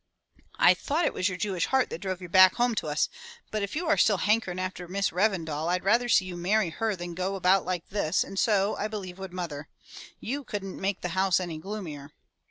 I thought it was your Jewish heart that drove you back home to us, but if you are still hankering after Miss Revendal, I'd rather see you marry her than go about like this and so, I be lieve, would mother. You couldn't make the house any gloomier."